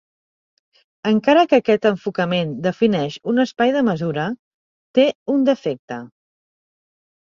Encara que aquest enfocament defineix un espai de mesura, té un defecte.